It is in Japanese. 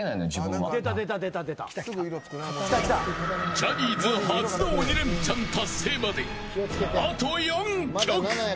ジャニーズ初の鬼レンチャン達成まであと４曲。